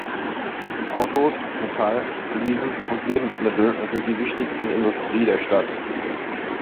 Autos, Metall, Fließen und Lebensmittel sind die wichtigsten Industrie der Stadt.